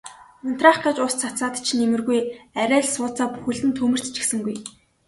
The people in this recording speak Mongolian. Унтраах гэж ус цацаад ч нэмэргүй арай л сууцаа бүхэлд нь түймэрдчихсэнгүй.